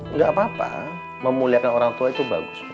nggak apa apa memuliakan orang tua itu bagus